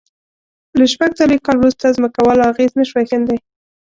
له شپږ څلوېښت کال وروسته ځمکوالو اغېز نه شوای ښندي.